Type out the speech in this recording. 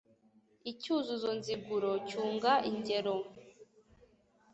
icyuzuzo nziguro cyunga ingero